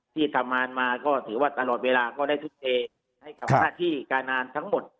ที่ทำงานมาก็ถือว่าตลอดเวลาก็ได้ทุ่มเทให้กับหน้าที่การงานทั้งหมด